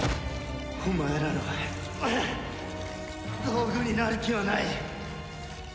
お前らの道具になる気はない。